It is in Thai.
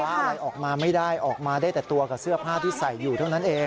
อะไรออกมาไม่ได้ออกมาได้แต่ตัวกับเสื้อผ้าที่ใส่อยู่เท่านั้นเอง